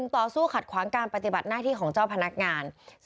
ต่อสู้ขัดขวางการปฏิบัติหน้าที่ของเจ้าพนักงาน